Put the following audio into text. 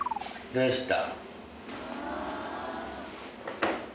どうした？